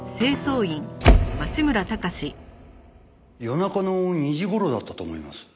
夜中の２時頃だったと思います。